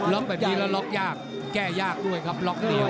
แบบนี้แล้วล็อกยากแก้ยากด้วยครับล็อกเดียว